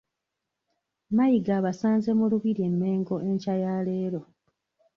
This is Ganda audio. Mayiga abasanze mu Lubiri e Mmengo enkya ya leero